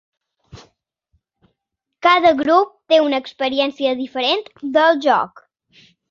Cada grup té una experiència diferent del joc.